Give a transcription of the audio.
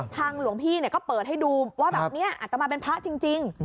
ทางหลวงพี่นี่ก็เปิดให้ดูว่าอัตตามาเป็นพระจริง